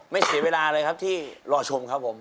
เสียเวลาเลยครับที่รอชมครับผม